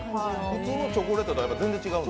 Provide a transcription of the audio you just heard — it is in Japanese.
普通のチョコレートと全然違うんだ。